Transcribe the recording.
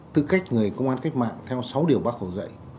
tư cách người công an cách mạng theo sáu điều bác hồ dạy